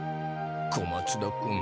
小松田君。